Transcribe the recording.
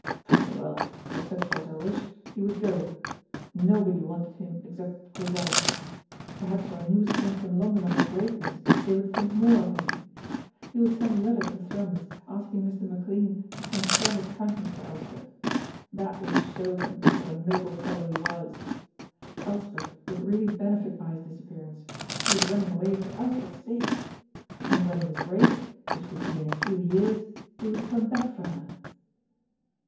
Very well, if such was her wish, he would go. Nobody wanted him except Grizel. Perhaps when news came from London of his greatness, they would think more of him. He would send a letter to Thrums, asking Mr. McLean to transfer his kindness to Elspeth. That would show them what a noble fellow he was. Elspeth would really benefit by his disappearance; he was running away for Elspeth's sake. And when he was great, which would be in a few years, he would come back for her.